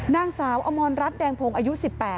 นางสาวอมรรัฐแดงพงศ์อายุ๑๘